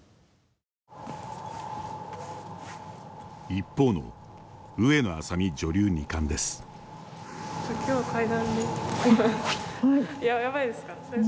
一方の上野愛咲美女流二冠です。